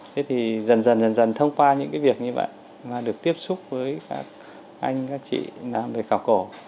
thế thì dần dần dần dần thông qua những cái việc như vậy mà được tiếp xúc với các anh các chị làm về khảo cổ